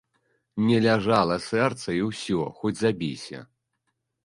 Не ляжала сэрца і ўсё, хоць забіся.